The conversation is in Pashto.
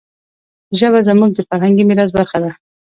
ژبه زموږ د فرهنګي میراث برخه ده.